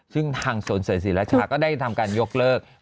ซึ่งทางส่วนเศรษฐศาสตร์ก็ได้ทำการยกเลิก